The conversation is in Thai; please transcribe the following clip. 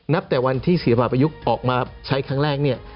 แต่วันที่ศิลปะประยุกต์ออกมาใช้ครั้งแรกเนี่ย